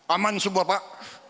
aman semua pak